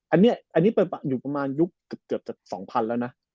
อันนี้อยู่ประมาณยุคเกือบจะ๒๐๐๐แล้วนะ